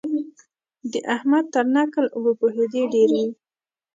د احمد تر نکل وپوهېدې ډېر وي.